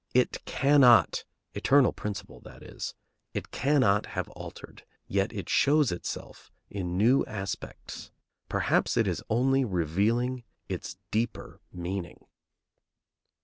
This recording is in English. It cannot, eternal principle that it is, it cannot have altered, yet it shows itself in new aspects. Perhaps it is only revealing its deeper meaning.